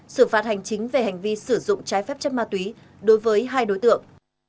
xử phạt hành chính về hành vi sử dụng trái phép chất ma túy đối với hai đối tượng